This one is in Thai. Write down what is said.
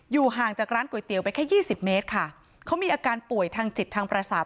ห่างจากร้านก๋วยเตี๋ยวไปแค่ยี่สิบเมตรค่ะเขามีอาการป่วยทางจิตทางประสาท